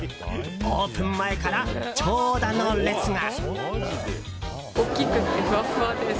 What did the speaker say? オープン前から長蛇の列が。